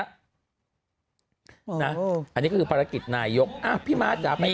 อันนี้คือภารกิจนายกพี่มาศอย่าเป็นก่อนต่อนะ